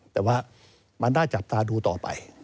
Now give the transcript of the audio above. แต่ว่ามันน่าจับตาดูต่อไป